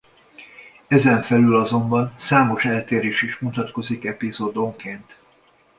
Ezen felül azonban számos eltérés is mutatkozik epizódonként.